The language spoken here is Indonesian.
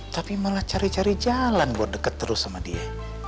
tapi malah cari cari jalan buat deket terus sama dia